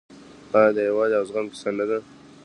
آیا د یووالي او زغم کیسه نه ده؟